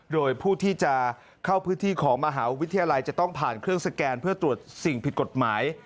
โดยผู้ที่จะเข้าพื้นที่ของมหาวิทยาลัยจะต้องผ่านเครื่องสแกนเพื่อตรวจสิ่งผิดกฎหมาย